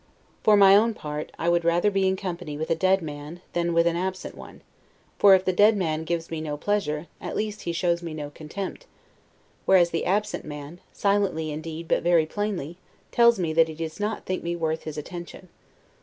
For my own part, I would rather be in company with a dead man, than with an absent one; for if the dead man gives me no pleasure; at least he shows me no contempt; whereas, the absent man, silently indeed, but very plainly, tells me that he does not think me worth his attention.